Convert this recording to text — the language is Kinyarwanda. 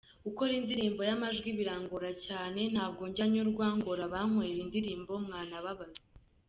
Gukora indirimbo y’amajwi birangora cyane, ntabwo njya nyurwa, ngora abankorera indirimbo mwanababaza.